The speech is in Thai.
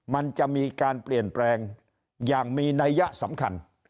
มันจะมีการเปลี่ยนแปลงอย่างมีนัยยะสำคัญ